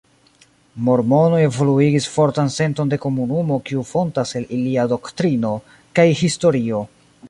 Mormonoj evoluigis fortan senton de komunumo kiu fontas el ilia doktrino kaj historio.